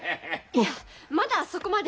いやまだそこまで。